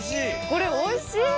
これおいしい！